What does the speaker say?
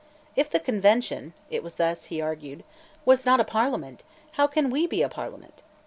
"If the Convention," it was thus that he argued, "was not a Parliament, how can we be a Parliament?